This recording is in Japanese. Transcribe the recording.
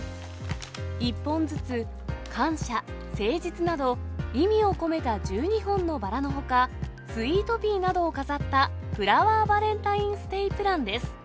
１本ずつ感謝、誠実など、意味を込めた１２本のバラのほか、スイートピーなどを飾ったフラワーバレンタインステイプランです。